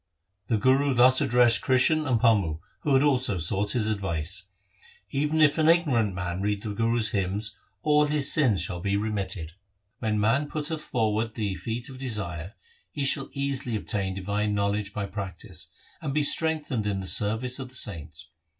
The Guru thus addressed Krishan and Pammu who also had sought his advice :' Even if an ignorant man read the Guru's hymns, all his sins shall be remitted. When man putteth forward the feet of desire, he shall easily obtain divine knowledge by practice, and be strengthened in the service of the saints.